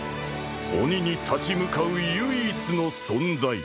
鬼に立ち向かう唯一の存在。